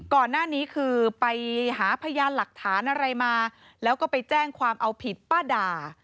ก่อนหน้านี้คือไปหาพยานหลักฐานอะไรมาแล้วก็ไปแจ้งความเอาผิดป้าด่า